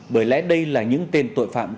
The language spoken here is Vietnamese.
bởi lẽ đây là những tên tội phạm